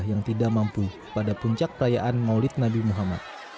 yang tidak mampu pada puncak perayaan maulid nabi muhammad